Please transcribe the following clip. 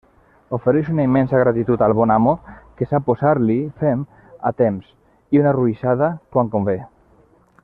Ofereix una immensa gratitud al bon amo que sap posar-li fem a temps i una ruixada quan convé.